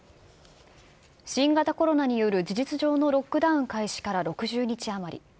新型コロナによる事実上のロックダウン開始から６０日余り。